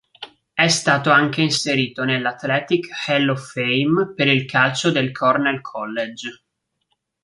È stato anche inserito nell'Athletic Hall of Fame per il calcio del Cornell College.